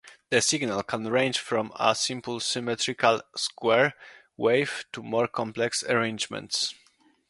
The signal can range from a simple symmetrical square wave to more complex arrangements.